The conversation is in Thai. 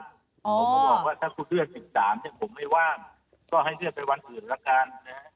ผมก็บอกว่าถ้าผู้เลื่อน๑๓ผมไม่ว่างก็ให้เลื่อนไปวันอื่นละกัน